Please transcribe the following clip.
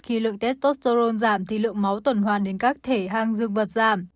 khi lượng testosterone giảm thì lượng máu tuần hoàn đến các thể hang dương vật giảm